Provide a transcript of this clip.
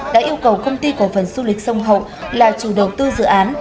đã yêu cầu công ty cổ phần du lịch sông hậu là chủ đầu tư dự án